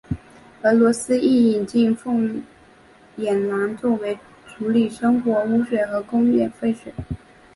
俄罗斯亦引入凤眼蓝作为处理生活污水和工业废水。